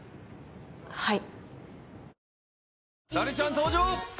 はい。